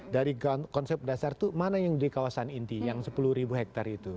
dari konsep dasar itu mana yang di kawasan inti yang sepuluh ribu hektare itu